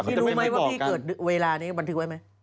รู้ไหมว่าพี่เกิดเวลานี้บันทึกไว้ไหม